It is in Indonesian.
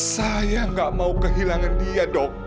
saya nggak mau kehilangan dia dok